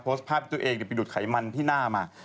โพสต์ภาพตัวเองเดี๋ยวไปดูดไขมันที่หน้ามา